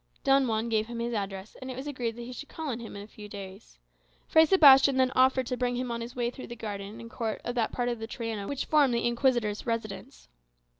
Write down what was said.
Don Juan gave him his address, and it was agreed that he should call on him in a few days. Fray Sebastian then offered to bring him on his way through the garden and court of that part of the Triana which formed the Inquisitor's residence.